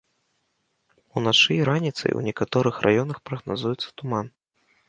Уначы і раніцай у некаторых раёнах прагназуецца туман.